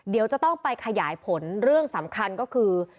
เดี๋ยวจะต้องไปขยายผลเรื่องสำคัญก็คือ